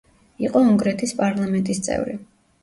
იყო უნგრეთის პარლამენტის წევრი.